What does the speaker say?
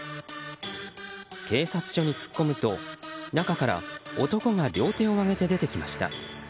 警察署に突っ込むと中から男が両手を上げて出てきました。